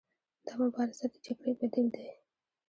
دا مبارزه د جګړې بدیل دی.